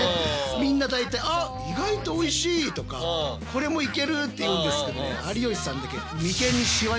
みんな大体「あっ意外とおいしい」とか「これもいける」って言うんですけどね